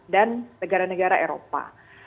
dan negara negara eropa